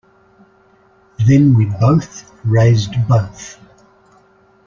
Then we both raised both.